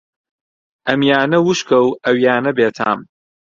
ئەمیانە وشکە و ئەویانە بێتام